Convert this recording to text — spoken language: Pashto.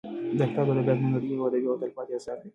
دا کتاب د ادبیاتو د نړۍ یو ابدي او تلپاتې اثر دی.